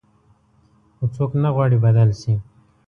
خو څوک نه غواړي بدل شي.